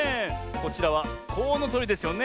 こちらはコウノトリですよね